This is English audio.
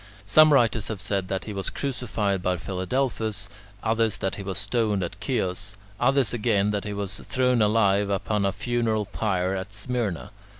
Some writers have said that he was crucified by Philadelphus; others that he was stoned at Chios; others again that he was thrown alive upon a funeral pyre at Smyrna.